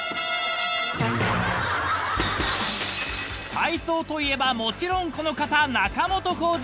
［体操といえばもちろんこの方仲本工事］